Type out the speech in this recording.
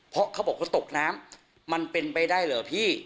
เพราะเขาบอกเขาตกน้ำมันเป็นไปได้เหรอพี่